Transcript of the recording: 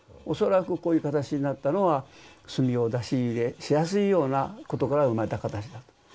恐らくこういう形になったのは炭を出し入れしやすいようなことから生まれた形だと。